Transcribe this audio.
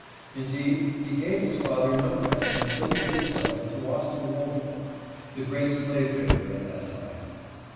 Indeed, he gave his father no rest, until he did sell him to Austin Woldfolk, the great slave trader at that time.